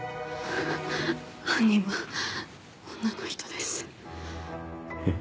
ハァ犯人は女の人です。え？